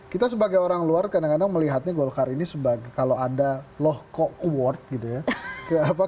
kita sebagai orang luar kadang kadang melihatnya golkar ini kalau ada loh kok award gitu ya